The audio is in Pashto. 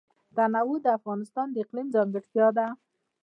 تنوع د افغانستان د اقلیم ځانګړتیا ده.